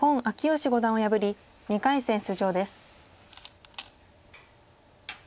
義五段を破り２回戦出場です。